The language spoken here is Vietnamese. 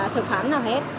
thực phẩm nào hết